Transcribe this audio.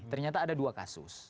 ternyata ada dua kasus